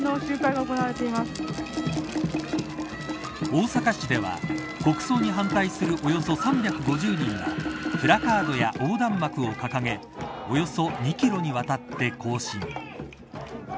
大阪市では国葬に反対するおよそ３５０人がプラカードや横断幕を掲げおよそ２キロにわたって行進。